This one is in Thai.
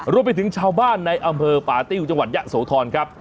รวมไปถึงชาวบ้านในอำเภอป่าติ้วจังหวัดยะโสธรครับ